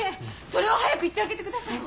それは早く行ってあげてください。